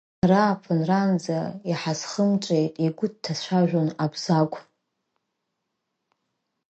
Ҳара ааԥынранӡа иҳазхымҿеит, игәы дҭацәажәон Абзагә.